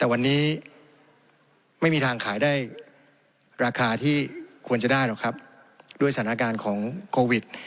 แต่วันนี้ไม่มีทางขายได้ราคาที่ควรจะได้หรอกครับด้วยสถานการณ์ของโควิด